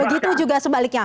begitu juga sebaliknya